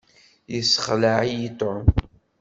Yessexleɛ-iyi Tom.